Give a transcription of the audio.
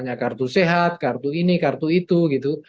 hanya kartu sehat kartu ini kartu itu gitu